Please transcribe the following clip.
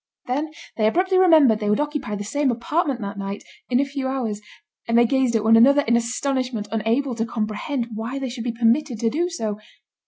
Then they abruptly remembered they would occupy the same apartment that night, in a few hours, and they gazed at one another in astonishment, unable to comprehend why they should be permitted to do so.